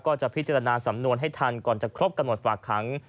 ก็จะพิจารณาสำนวนให้ทันก่อนจะครบกำหนดฝากขัง